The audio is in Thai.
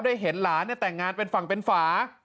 ได้เห็นหลานแต่งงานเป็นฝั่งเป็นฝา